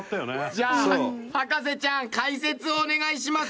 じゃあ博士ちゃん解説をお願いします。